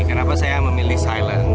kenapa saya memilih silent